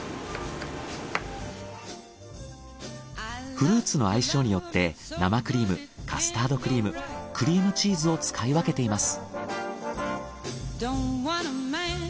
フルーツの相性によって生クリームカスタードクリームクリームチーズを使い分けています。